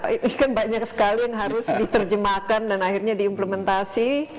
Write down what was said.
ini kan banyak sekali yang harus diterjemahkan dan akhirnya diimplementasi